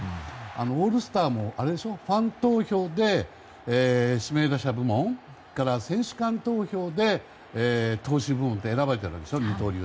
オールスターもファン投票で指名打者部門選手間投票で投手部門で選ばれてるわけでしょ。